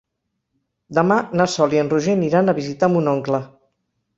Demà na Sol i en Roger aniran a visitar mon oncle.